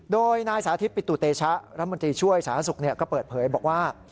โดยนายสาธิตปิตุเตชะรับบัญชีช่วยศาสุกก็เปิดเผยบอกว่า